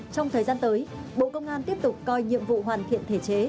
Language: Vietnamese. trong thời gian tới bộ công an tiếp tục coi nhiệm vụ hoàn thiện thể chế